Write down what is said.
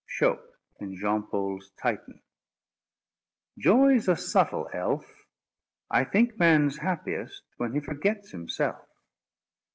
Schoppe, in JEAN PAUL'S Titan. "Joy's a subtil elf. I think man's happiest when he forgets himself."